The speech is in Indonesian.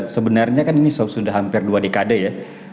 sebenarnya kan ini sudah hampir dua dekade ya